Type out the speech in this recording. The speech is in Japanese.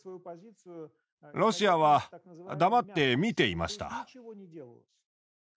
ロシアは黙って見ていました。